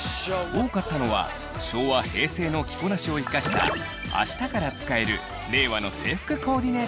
多かったのは昭和・平成の着こなしを生かしたあしたから使える令和の制服コーディネート術。